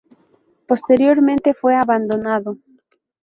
Posteriormente fue abandonado.